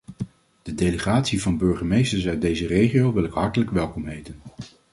De delegatie van burgemeesters uit deze regio wil ik hartelijk welkom heten.